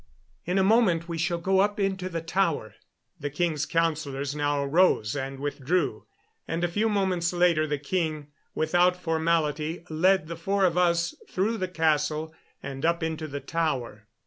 "In a moment we shall go up into the tower." The king's councilors now rose and withdrew, and a few moments later the king, without formality, led the four of us through the castle and up into the tower.